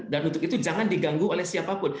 dan untuk itu jangan diganggu oleh siapa saja